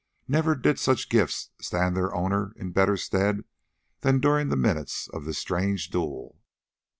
Never did such gifts stand their owner in better stead than during the minutes of this strange duel.